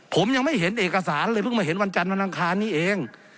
ผมยังไม่เห็นเอกสารเลยเพิ่งมาเห็นวันจันทร์วันอังคารนี้เอง